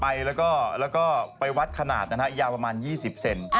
มีปลายแยกมา๒ห่าง๒นำ๒นำ๒นำ๒นำเลขพุ่มพวง